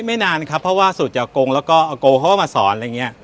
ไม่นานครับเพราะว่าสูตรจากโกงแล้วก็อาโกเขาก็มาสอนอะไรอย่างนี้